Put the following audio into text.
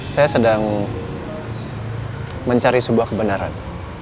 saya sedang mencari sebuah kebenaran